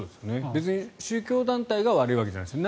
別に宗教団体が悪いわけじゃないです。